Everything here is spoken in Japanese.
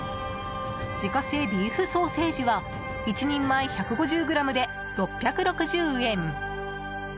自家製ビーフソーセージは１人前１５０ｇで、６６０円。